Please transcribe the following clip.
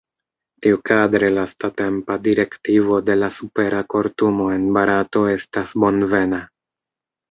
Tiukadre lastatempa direktivo de la supera kortumo en Barato estas bonvena.